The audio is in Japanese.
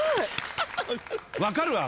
分かるわ。